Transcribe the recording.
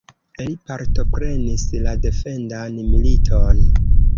Li partoprenis la defendan militon.